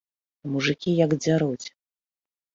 А мужыкі як дзяруць!